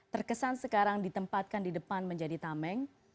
terkesan sekarang ditempatkan di depan menjadi tameng